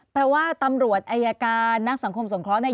แปลว่าตำรวจอายการนักสังคมสงเคราะห์เนี่ย